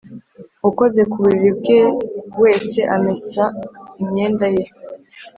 Ukoze ku buriri bwe wese amese imyenda ye